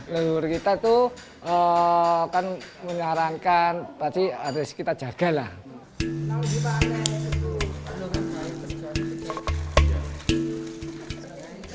leluhur kita itu kan menyarankan pasti harus kita jaga lah